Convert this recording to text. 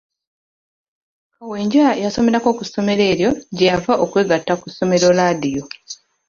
Kawenja yasomerako ku ssomero eryo gye yava okwegatta ku ssomero laadiyo.